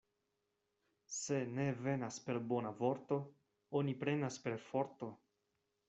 Se ne venas per bona vorto, oni prenas per forto.